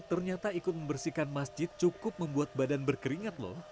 ternyata ikut membersihkan masjid cukup membuat badan berkeringat loh